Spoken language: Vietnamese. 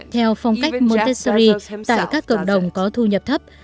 theo phong cách monteury tại các cộng đồng có thu nhập thấp